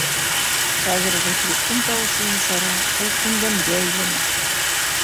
Хәҙер ғифриттең тауышы йомшара, ул күндәмгә әйләнә.